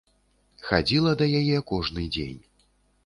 Хадзіла да яе кожны дзень.